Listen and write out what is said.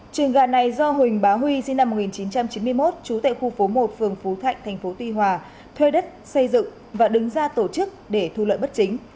trường gà này do huỳnh bá huy sinh năm một nghìn chín trăm chín mươi một trú tại khu phố một phường phú thạnh tp tuy hòa thuê đất xây dựng và đứng ra tổ chức để thu lợi bất chính